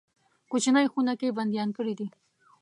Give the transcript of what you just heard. کوچنۍ خونه کې بندیان کړي دي.